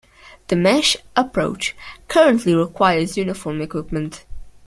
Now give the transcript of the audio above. The mesh approach currently requires uniform equipment.